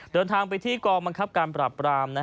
เดินทางไปที่กองบังคับการปราบปราม